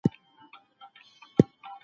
لوړ غږ اعصاب خرابوي